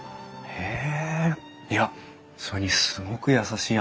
へえ。